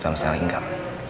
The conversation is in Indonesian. sama sekali ingat